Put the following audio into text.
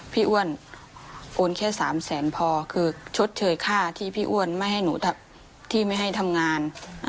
อ้วนโอนแค่๓แสนพอคือชดเชยค่าที่พี่อ้วนไม่ให้หนูที่ไม่ให้ทำงาน